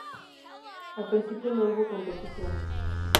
Al principio no hubo competición.